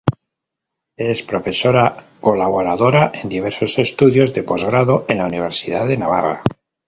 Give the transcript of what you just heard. Es Profesora colaboradora en diversos estudios de postgrado en la Universidad de Navarra.